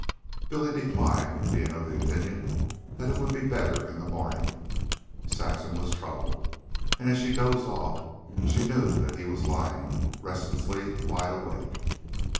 Billy declined, being of the opinion that it would be better in the morning. Saxon was troubled, and as she dozed off she knew that he was lying restlessly wide awake.